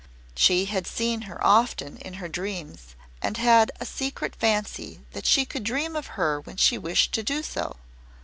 She had seen her often in her dreams and had a secret fancy that she could dream of her when she wished to do so.